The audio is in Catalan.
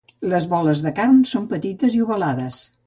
Les boles de carn són petites i ovalades.